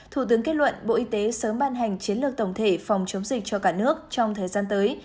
thủ tướng kết luận bộ y tế sớm ban hành chiến lược tổng thể phòng chống dịch cho cả nước trong thời gian tới